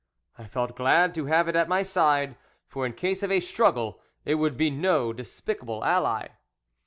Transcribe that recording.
I felt glad to have it at my side, for in case of a struggle it would be no despicable ally.